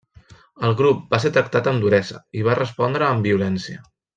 El grup va ser tractat amb duresa i va respondre amb violència.